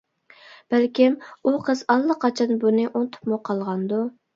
بەلكىم ئۇ قىز ئاللىقاچان بۇنى ئۇنتۇپمۇ قالغاندۇ.